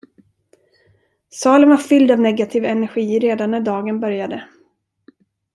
Salen var fylld av negativ energi redan när dagen började.